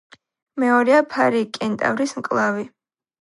მეორეა ფარი-კენტავრის მკლავი.